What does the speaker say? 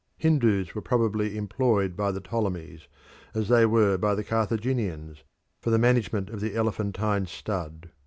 Hindus were probably employed by the Ptolemies, as they were by the Carthaginians, for the management of the elephantine stud.